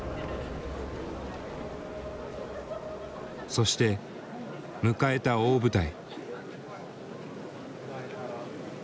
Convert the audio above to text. そして迎えた大舞台。